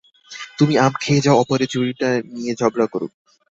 তুমি আম খেয়ে যাও, অপরে ঝুড়িটা নিয়ে ঝগড়া করুক।